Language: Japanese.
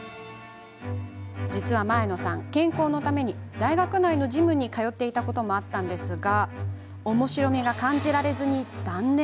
実は前野さん、健康のために大学内のジムに通っていたこともあったのですがおもしろみが感じられずに断念。